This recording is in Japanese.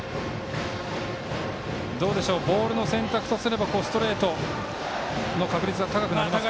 ボールの選択とすればストレートの確率が高くなりますか？